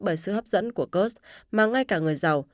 bởi sự hấp dẫn của cơ sở mà ngay cả người giàu